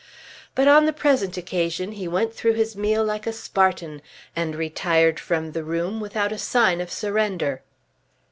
But on the present occasion he went through his meal like a Spartan, and retired from the room without a sign of surrender.